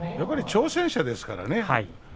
挑戦者ですからね。